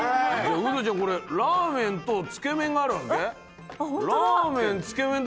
ウドちゃんこれラーメンとつけ麺があるわけ？